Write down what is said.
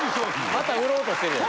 また売ろうとしてるやん。